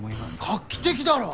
画期的だろ！